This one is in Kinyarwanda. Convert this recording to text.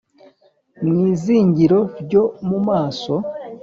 mu izingiro ryo mu maso